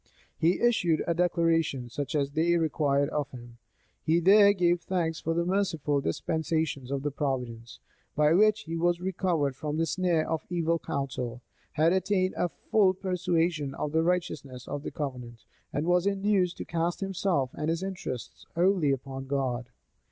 He issued a declaration, such as they required of him.[] He there gave thanks for the merciful dispensations of Providence, by which he was recovered from the snare of evil counsel, had attained a full persuasion of the righteousness of the covenant, and was induced to cast himself and his interests wholly upon God.